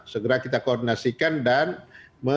segera kita koordinasikan dan